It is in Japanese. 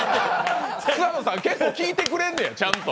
草野さん、結構聞いてくれるねん、ちゃん。